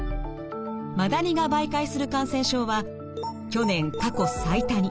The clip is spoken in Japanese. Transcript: マダニが媒介する感染症は去年過去最多に。